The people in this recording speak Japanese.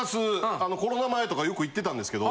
コロナ前とかよく行ってたんですけど。